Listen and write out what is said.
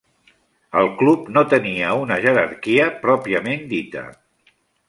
El club no tenia una jerarquia pròpiament dita.